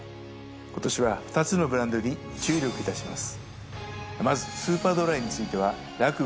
今年は２つのブランドに注力いたします。